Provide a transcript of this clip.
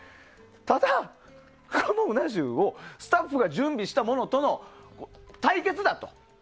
ただ、このうな重とスタッフが準備したものとの対決だと。